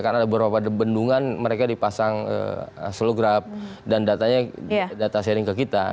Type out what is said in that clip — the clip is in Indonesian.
karena ada beberapa bendungan mereka dipasang selograf dan datanya data sharing ke kita